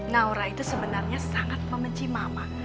naura itu sebenarnya sangat membenci mama